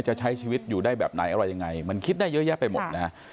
จะใช้ชีวิตอยู่ได้แบบไหนอะไรยังไงมันคิดได้เยอะแยะไปหมดนะฮะ